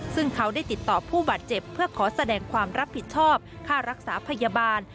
ซึ่งเขาได้ติดต่อผู้บาดเจ็บเพื่อขอแสดงความรับผิดชอบค่ารักษาพยาบาล